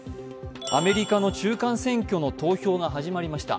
アメリカの中間選挙の投票が始まりました。